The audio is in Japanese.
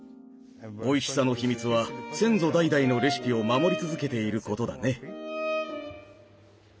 おいしさの秘密は先祖代々のレシピを守り続けていることだね。